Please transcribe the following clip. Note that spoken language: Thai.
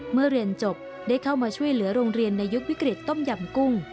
เมื่อเรียนจบได้เข้ามาช่วยเหลือโรงเรียนในยุควิกฤตต้มยำกุ้ง